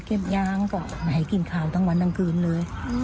ยางก็ไม่ให้กินข้าวทั้งวันทั้งคืนเลย